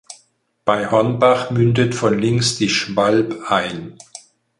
Bei Hornbach mündet von links die Schwalb ein.